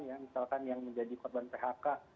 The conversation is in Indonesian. ya misalkan yang menjadi korban phk